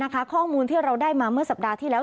ข้อมูลที่เราได้มาเมื่อสัปดาห์ที่แล้ว